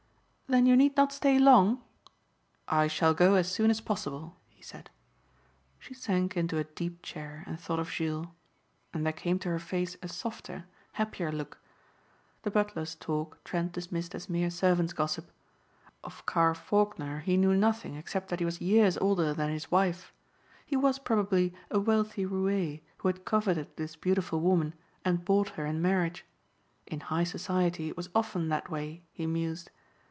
"Then you need not stay long?" "I shall go as soon as possible," he said. She sank into a deep chair and thought of Jules. And there came to her face a softer, happier look. The butler's talk Trent dismissed as mere servants' gossip. Of Carr Faulkner he knew nothing except that he was years older than his wife. He was, probably, a wealthy roué who had coveted this beautiful woman and bought her in marriage. In high society it was often that way, he mused.